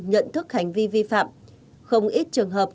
nhận thức hành vi vi phạm không ít trường hợp